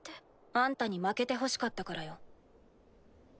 あんたに負けてほしかったからよ。